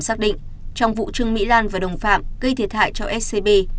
xác định trong vụ trương mỹ lan và đồng phạm gây thiệt hại cho scb